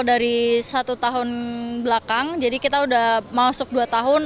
dari satu tahun belakang jadi kita udah masuk dua tahun